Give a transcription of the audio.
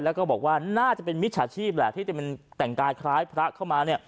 แล้วก็บอกว่าน่าจะเป็นมิจฉาชีพแหละที่มันแต่งกายคล้ายพระเข้ามาเนี่ย